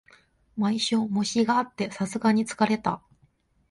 毎週、模試があってさすがに疲れた